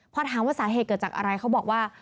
พอถามว่าสาเหตุเกิดจากอะไรเขาบอกว่า